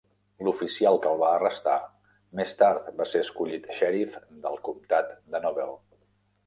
L'oficial que el va arrestar, més tard va ser escollit xèrif del comtat de Nobel.